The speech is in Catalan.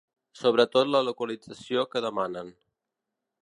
Sobretot la localització que demanen.